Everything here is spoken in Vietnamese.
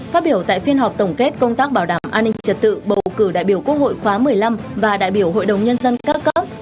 phát biểu tại phiên họp tổng kết công tác bảo đảm an ninh trật tự bầu cử đại biểu quốc hội khóa một mươi năm và đại biểu hội đồng nhân dân các cấp